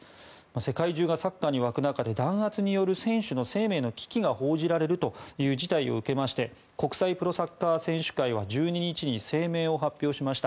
世界中がサッカーに沸く中で選手の生命が危機にさらされているそれが報じられるという事態を受けまして国際プロサッカー選手会は声明を発表しました。